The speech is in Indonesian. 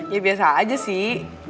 ya biasa aja sih